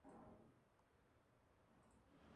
Su debut fue, de este modo, contra la selección finlandesa.